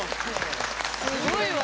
すごいわ。